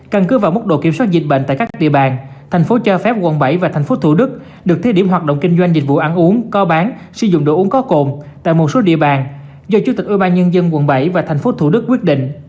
căn cứ vào mức độ kiểm soát dịch bệnh tại các địa bàn thành phố cho phép quận bảy và thành phố thủ đức được thiết điểm hoạt động kinh doanh dịch vụ ăn uống co bán sử dụng đồ uống có cồn tại một số địa bàn do chủ tịch ubnd quận bảy và thành phố thủ đức quyết định